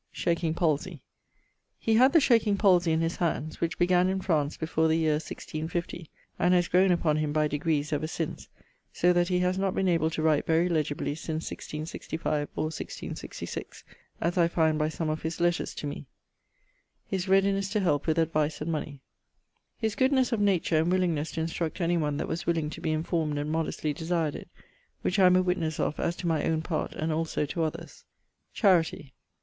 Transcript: Shaking palsey. He had the shaking palsey in his handes; which began in France before the yeare 1650, and haz growne upon him by degrees, ever since, so that he haz not been able to write very legibly since 1665 or 1666, as I find by some of his letters to me. <_His readiness to help with advice and money._> His goodnes of nature and willingnes to instruct any one that was willing to be informed and modestly desired it, which I am a witnesse of as to my owne part and also to others. _Charity.